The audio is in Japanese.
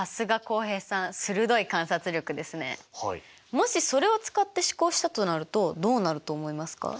もしそれを使って試行したとなるとどうなると思いますか？